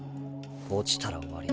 落ちたら終わり。